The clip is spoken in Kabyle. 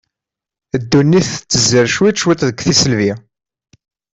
Ddunit tettezder cwiṭ cwiṭ deg tiselbi.